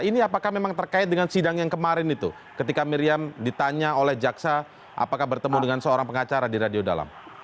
ini apakah memang terkait dengan sidang yang kemarin itu ketika miriam ditanya oleh jaksa apakah bertemu dengan seorang pengacara di radio dalam